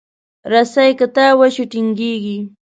رسۍ که تاو شي، ټینګېږي.